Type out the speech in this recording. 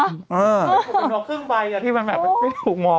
เป็นหนัวครึ่งไปที่มันแบบไม่ถูกมอง